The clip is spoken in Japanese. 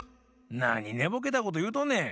なにねぼけたこというとんねん。